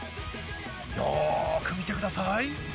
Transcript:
よく見てください。